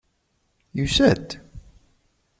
Yusa-d!